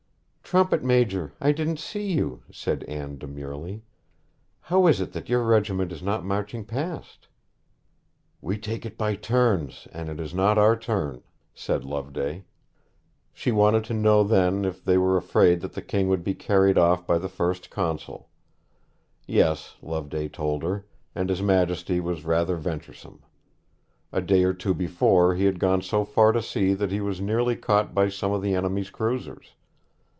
'Trumpet major, I didn't see you,' said Anne demurely. 'How is it that your regiment is not marching past?' 'We take it by turns, and it is not our turn,' said Loveday. She wanted to know then if they were afraid that the King would be carried off by the First Consul. Yes, Loveday told her; and his Majesty was rather venturesome. A day or two before he had gone so far to sea that he was nearly caught by some of the enemy's cruisers.